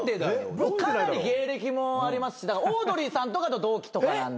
かなり芸歴もありますしオードリーさんとかと同期とかなんで。